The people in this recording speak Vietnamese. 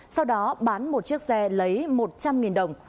sau đó bán một chiếc xe lấy một trăm linh đồng